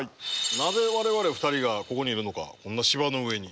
なぜ我々２人がここにいるのかこんな芝の上に。